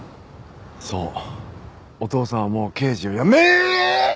そうお父さんはもう刑事を辞め。ええーっ！？